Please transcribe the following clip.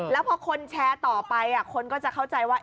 แล้วพอคนแชร์ต่อไปคนก็จะเข้าใจว่า